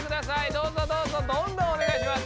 どうぞどうぞどんどんおねがいします。